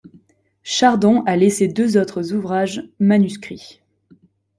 Chardon a laissé deux autres ouvrages manuscrits.